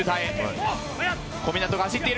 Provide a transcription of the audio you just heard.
小湊が走っている。